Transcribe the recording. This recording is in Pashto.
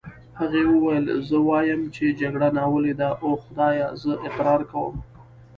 هغه وویل: زه وایم چې جګړه ناولې ده، اوه خدایه زه اقرار کوم.